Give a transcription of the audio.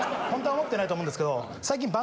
ホントは思ってないと思うんですけど最近。